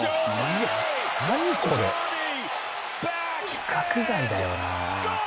規格外だよなあ。